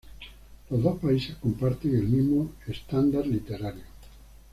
Los dos países comparten el mismo estándar literario.